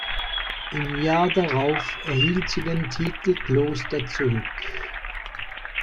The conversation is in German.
Im Jahr darauf erhielt sie den Titel Kloster zurück.